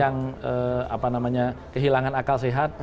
yang mengatakan apa namanya kehilangan akal sehat